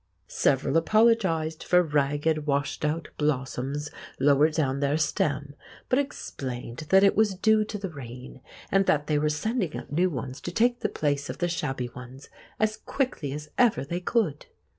Several apologised for ragged washed out blossoms lower down their stem, but explained that it was due to the rain, and that they were sending up new ones to take the place of the shabby ones as quickly as ever they could.